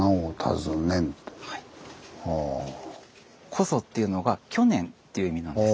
「こぞ」っていうのが去年っていう意味なんです。